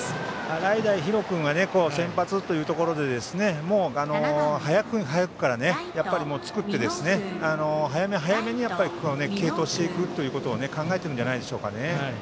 洗平比呂君が先発というところで早くから作って早め早めに継投していくことを考えているんじゃないでしょうか。